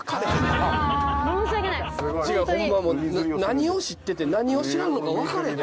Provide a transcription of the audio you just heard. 何を知ってて何を知らんのか分からへん。